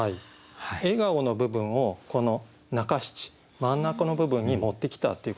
「笑顔」の部分をこの中七真ん中の部分に持ってきたっていうことですね。